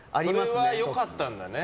それは良かったんだね。